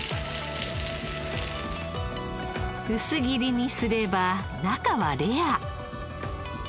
薄切りにすれば中はレア。